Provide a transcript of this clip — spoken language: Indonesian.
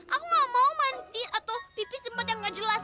aku gak mau mandi atau pipis teman yang gak jelas